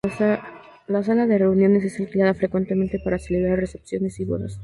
La sala de reuniones es alquilada frecuentemente para celebrar recepciones y bodas.